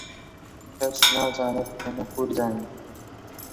کەس نازانێت ئێمە پوورزاین.